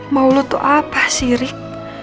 mau lo tuh apa sih rik